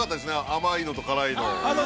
甘いのと、辛いの。